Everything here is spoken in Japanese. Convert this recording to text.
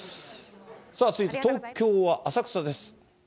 続いて東京は浅草です。